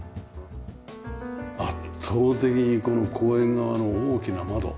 圧倒的にこの公園側の大きな窓